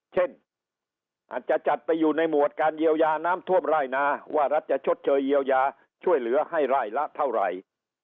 เช่นอาจจะจัดไปอยู่ในหมวดการเยียวยาน้ำท่วมไร่นาว่ารัฐจะชดเชยเยียวยาช่วยเหลือให้ไร่ละเท่าไหร่